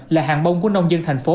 là hàng bông của nông dân thành phố